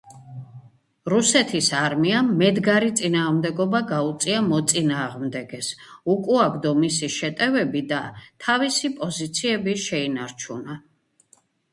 რუსეთის არმიამ მედგარი წინააღმდეგობა გაუწია მოწინააღმდეგეს, უკუაგდო მისი შეტევები და თავისი პოზიციები შეინარჩუნა.